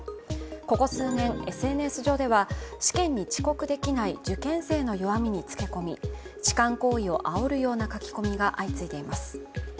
ここ数年、ＳＮＳ上では試験に遅刻できない受験生の弱みにつけ込み痴漢行為をあおるような書き込みが相次いでいます。